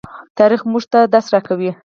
تاریخ موږ ته درس راکوي.